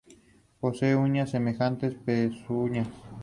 Fue a la escuela de Saint Joseph en Cuyahoga Falls.